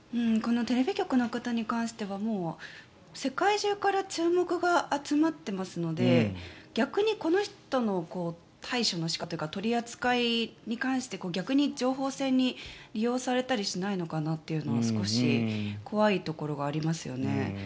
このテレビ局の方に関してはもう世界中から注目が集まっていますので逆にこの人の対処の仕方というか取り扱いに関して逆に情報戦に利用されたりしないのかなというのは少し怖いところがありますよね。